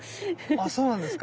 あっそうなんですか。